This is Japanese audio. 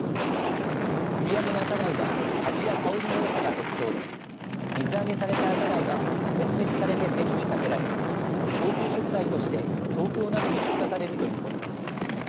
閖上のアカガイは味や香りのよさが特徴で水揚げされたアカガイは選別されて競りにかけられ高級食材として東京などに出荷されるということです。